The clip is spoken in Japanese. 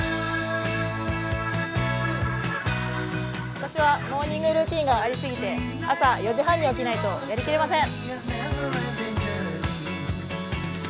私はモーニングルーティンがありすぎて朝４時半に起きないとやりきれません。